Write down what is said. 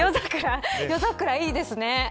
夜桜、いいですね。